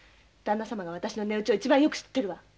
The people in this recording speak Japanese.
だんな様が私の値打ちを一番よく知ってるわ！